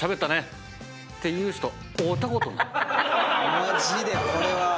マジでこれは。